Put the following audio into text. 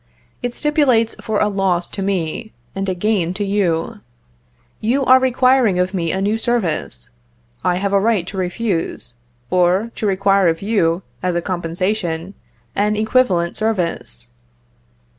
It stipulates for a loss to me, and a gain to you. You are requiring of me a new service; I have a right to refuse, or to require of you, as a compensation, an equivalent service."